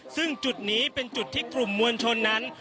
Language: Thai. ซึ่งจุดนี้เป็นจุดที่กลุ่มมวลชนนั้น